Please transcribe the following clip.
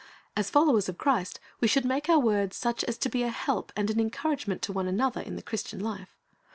As followers of Christ we should make our words such as to be a help and an encouragement to one another in the Christian life.